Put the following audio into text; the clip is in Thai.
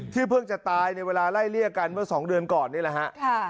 เพิ่งจะตายในเวลาไล่เลี่ยกันเมื่อ๒เดือนก่อนนี่แหละฮะ